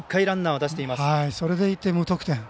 それでいて無得点。